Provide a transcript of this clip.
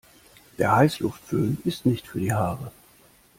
Der Heißluftföhn ist nicht für die Haare.